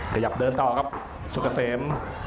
ขยับเดินต่อครับสุกเกษม